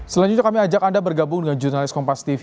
selanjutnya kami ajak anda bergabung dengan jurnalis kompas tv